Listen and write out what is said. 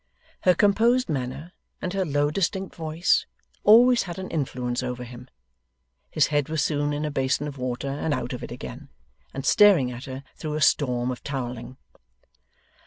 Her composed manner, and her low distinct voice, always had an influence over him. His head was soon in a basin of water, and out of it again, and staring at her through a storm of towelling.